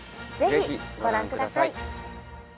ぜひご覧ください。